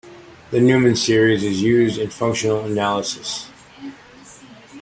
The Neumann series is used in functional analysis.